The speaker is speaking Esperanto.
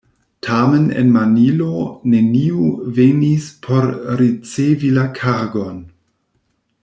Tamen en Manilo neniu venis por ricevi la kargon.